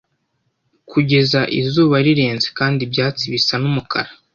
Kugeza izuba rirenze Kandi ibyatsi bisa n'umukara